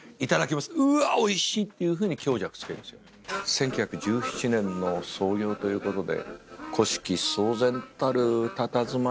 １９１７年の創業ということで。